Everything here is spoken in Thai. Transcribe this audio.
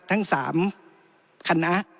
ทั้ง๓คณะ